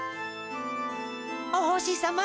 おほしさま。